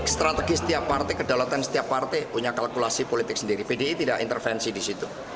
strategi setiap parti kedalatan setiap parti punya kalkulasi politik sendiri pdip tidak intervensi di situ